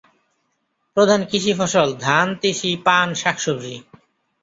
প্রধান কৃষি ফসল ধান, তিসি, পান, শাকসবজি।